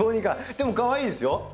でもかわいいですよ。